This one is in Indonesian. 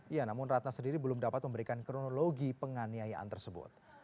ya namun ratna sendiri belum dapat memberikan kronologi penganiayaan tersebut